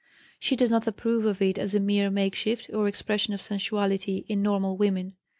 She does not approve of it as a mere makeshift, or expression of sensuality, in normal women.